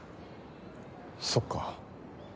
そっか。